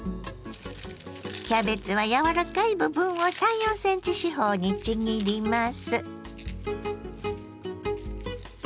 キャベツは柔らかい部分を３４ｃｍ四方にちぎります。